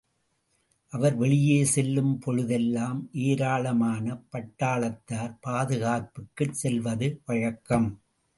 அவர் வெளியே செல்லும் பொழுதுதெல்லாம் ஏராளமான பட்டாளத்தார் பாதுகாப்பிற்குச் செல்வது வழக்கம்.